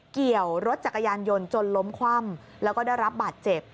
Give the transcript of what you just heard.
ขี่รถจักรยานยนต์จนล้มคว่ำแล้วก็ได้รับบาดเจ็บ